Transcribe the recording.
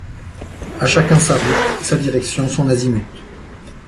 À chacun sa route, sa direction, son azimut.